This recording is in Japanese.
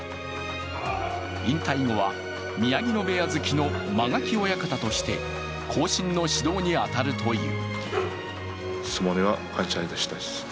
引退後は宮城野部屋付の間垣親方として後進の指導に当たるという。